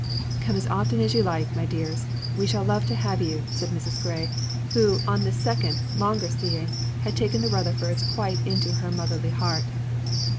"Come as often as you like, my dears; we shall love to have you," said Mrs. Grey, who, on this second, longer seeing, had taken the Rutherfords quite into her motherly heart.